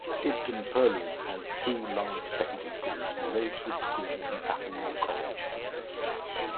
Dibden Purlieu has two large secondary schools; Noadswood School and Applemore College.